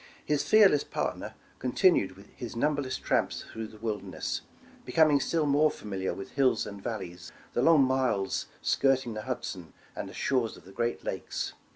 His fearless partner continued his numberless tramps through the wilderness, becoming still more familiar with hills and valleys, the long miles skirting the Hud son, and the shores of the great Lakes.